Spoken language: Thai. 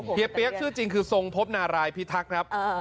เพียเปี๊ยกชื่อจริงคือทรงพบนารายพิทักษ์